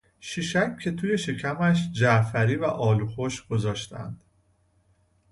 شیشک که توی شکمش جعفری و آلو خشک گذاشتهاند